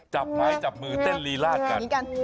จับไม้จับมือเต้นลีลาดกัน